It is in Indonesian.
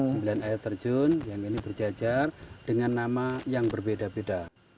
sembilan air terjun yang ini berjajar dengan nama yang berbeda beda